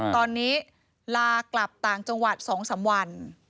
ตอนนี้ลากลับต่างจังหวัด๒๓วัน